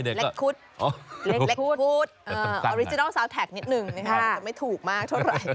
เล็กคูด